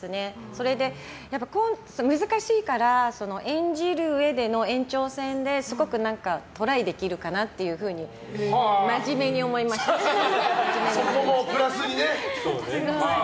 それで、コントって難しいから演じるうえでの延長線ですごく何かトライできるかなっていうふうにそこもプラスにね。